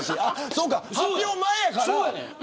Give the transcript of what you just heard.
そうか、発表前だから。